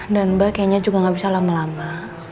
dan mba kayaknya juga gak bisa lama lama